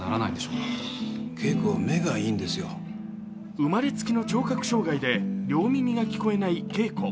生まれつきの聴覚障害で両耳が聞こえないケイコ。